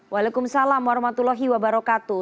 waalaikumsalam warahmatullahi wabarakatuh